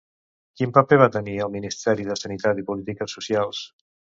Quin paper va tenir en el Ministeri de Sanitat i Polítiques Socials?